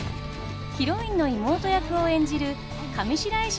ヒロインの妹役を演じる上白石